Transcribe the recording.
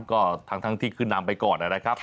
ก็ทั้งทั้งที่ขึ้นนามไปก่อนเลยนะครับ